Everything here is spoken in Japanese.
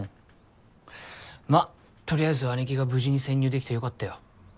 まとりあえずは姉貴が無事に潜入できてよかったよ。